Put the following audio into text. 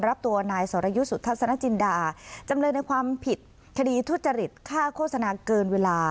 รับตัวนายสรยุทธ์สุทัศนจินดาจำเลยในความผิดคดีทุจริตฆ่าโฆษณาเกินเวลา